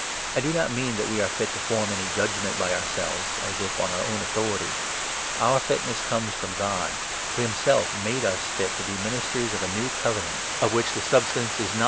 I do not 5 ^Itht'he*1 mean tnat we are fit to form any judgement by Giory of the ourselves, as if on our own authority ; our fitness Law comes from God, who himself made us fit to be 6 ministers of a New Covenant, of which the substance is, not a 3 Exod.